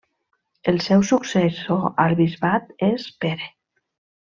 El seu successor al bisbat és Pere.